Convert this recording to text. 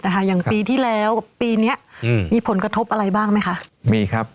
แต่ค่ะอย่างปีที่แล้วกับปีเนี้ยอืมมีผลกระทบอะไรบ้างไหมคะมีครับ